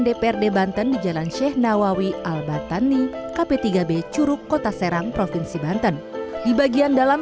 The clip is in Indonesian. dprd banten di jalan sheikh nawawi al batani kp tiga b curug kota serang provinsi banten di bagian dalam